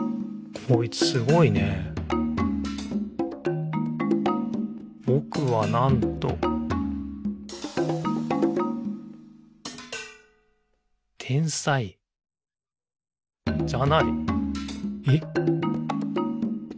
こいつすごいね「ぼくは、なんと」天才じゃない。え？